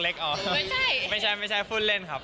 ไม่ใช่ไม่ใช่ไม่ใช่ฟุ้นเล่นครับ